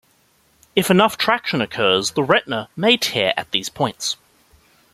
If enough traction occurs the retina may tear at these points.